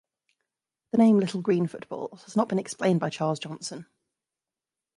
The name "Little Green Footballs" has not been explained by Charles Johnson.